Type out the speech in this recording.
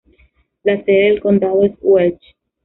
La sede del condado es Welch.